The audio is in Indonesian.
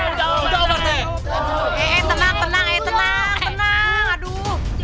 eh eh tenang tenang eh tenang